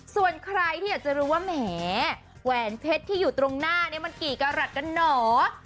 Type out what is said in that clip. ส่วนใครที่อยากจะรู้ว่าแหมแหวนเพชรที่อยู่ตรงหน้านี้มันกี่กระหลัดกันเหรอ